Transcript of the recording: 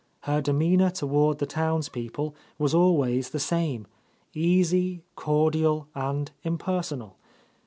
Her demeanour toward the townspeople was always the same; easy, cordial, and impersonal.